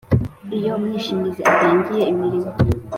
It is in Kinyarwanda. Iyo umwishingizi atangiye imirimo